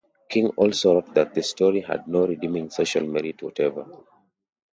King also wrote that the story had no redeeming social merit whatever.